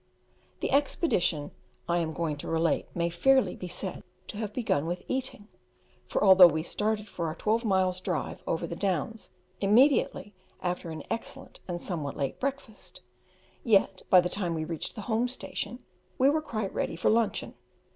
The expedition I am going to relate may fairly be said to have begun with eating, for although we started for our twelve miles' drive over the downs immediately after an excellent and somewhat late breakfast, yet by the time we reached the Home Station we were quite ready for luncheon.